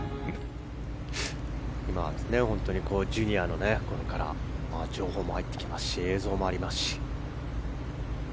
今はジュニアの情報も入ってきますし映像もありますし。